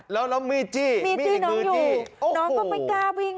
แล้วแล้วมีจี้มีอีกมือจี้มีจี้น้องอยู่โอ้โหน้องก็ไม่กล้าวิ่ง